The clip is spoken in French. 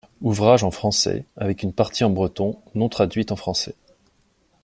Ouvrage en français avec une partie en breton non traduite en français.